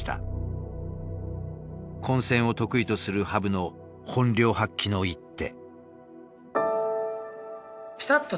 混戦を得意とする羽生の本領発揮の一手。